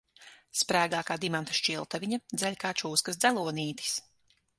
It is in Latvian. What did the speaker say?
Sprēgā kā dimanta šķiltaviņa, dzeļ kā čūskas dzelonītis.